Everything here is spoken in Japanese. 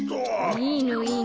いいのいいの。